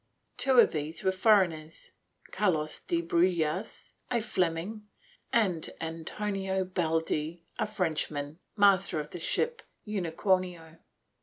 Two of these were foreigners — Carlos de Brujas, a Fleming and Antonio Baldie a Frenchman, master of the ship Unicornio.